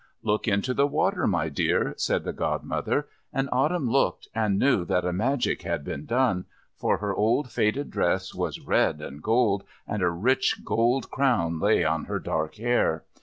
"Look into the water, my dear," said the Godmother, and Autumn looked and knew that a magic had been done, for her old faded dress was red and gold, and a rich gold crown lay on her dark hair.